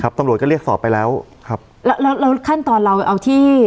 ตำรวจก็เรียกสอบไปแล้วครับแล้วแล้วขั้นตอนเราเอาที่